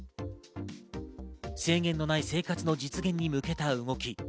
制限のない生活の実現に向けた動き。